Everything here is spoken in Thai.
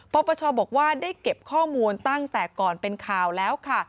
ปปชบอกว่าได้เก็บข้อมูลตั้งแต่ก่อนเป็นข่าวแล้วค่ะ